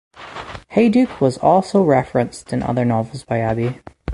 Hayduke was also referenced in other novels by Abbey.